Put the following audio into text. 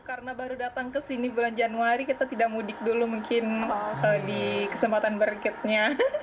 karena baru datang ke sini bulan januari kita tidak mudik dulu mungkin di kesempatan berikutnya